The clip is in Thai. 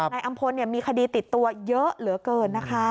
นายอำพลมีคดีติดตัวเยอะเหลือเกินนะคะ